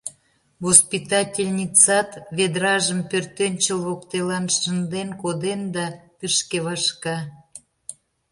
Воспитательницат ведражым пӧртӧнчыл воктелан шынден коден да тышке вашка.